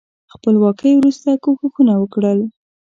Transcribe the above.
خپلواکۍ وروسته کوښښونه وکړل.